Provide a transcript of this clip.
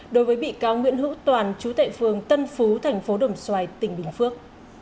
đối với bị cao nguyễn hữu toàn chú tệ phương tân phú tp đồng xoài tỉnh bình phước